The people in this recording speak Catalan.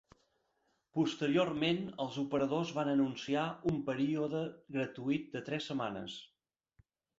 Posteriorment, els operadors van anunciar un període gratuït de tres setmanes.